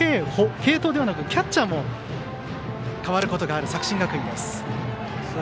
継投ではなくキャッチャーも代わることがある作新学院です。